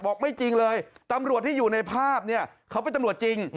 ไม่จริงเลยตำรวจที่อยู่ในภาพเนี่ยเขาเป็นตำรวจจริง